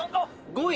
５位。